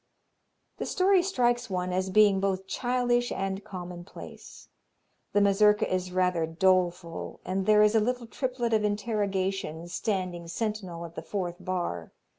The story strikes one as being both childish and commonplace. The Mazurka is rather doleful and there is a little triplet of interrogation standing sentinel at the fourth bar.